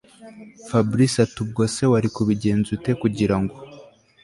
Fabric atiubwo se wari kubigenza ute kugira ngo